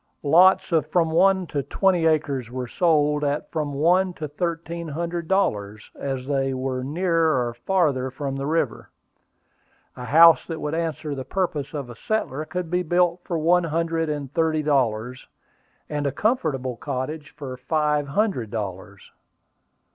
Lots of from one to twenty acres were sold at from one to thirteen hundred dollars, as they were nearer or farther from the river. A house that would answer the purpose of a settler could be built for one hundred and thirty dollars, and a comfortable cottage for five hundred dollars.